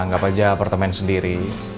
anggap aja apartemen sendiri